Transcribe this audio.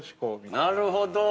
◆なるほど。